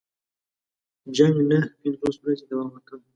جنګ نهه پنځوس ورځې دوام وکړ.